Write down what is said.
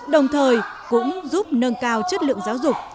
đồng thời cũng giúp nâng cao chất lượng giáo dục